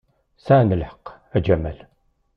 Sɛan lḥeqq, a Jamal.